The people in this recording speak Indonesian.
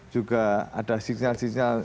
juga ada sinyal sinyal